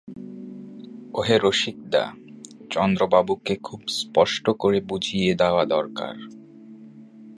ওহে রসিকদা, চন্দ্রবাবুকে খুব স্পষ্ট করে বুঝিয়ে দেওয়া দরকার।